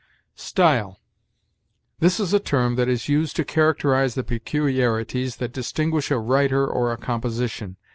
STYLE. This is a term that is used to characterize the peculiarities that distinguish a writer or a composition.